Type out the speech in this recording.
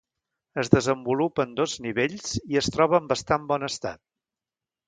Es desenvolupa en dos nivells i es troba en bastant bon estat.